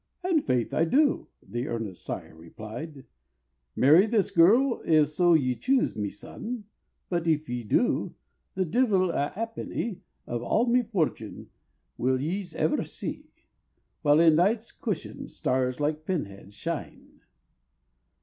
"And faith I do," the earnest sire replied: "Marry this girl if so ye choose, me son, But—if ye do—the divil a ha'penny Of all me fortune will yees ever see, While in Night's cushion stars like pin hids shine."